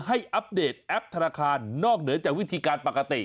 อัปเดตแอปธนาคารนอกเหนือจากวิธีการปกติ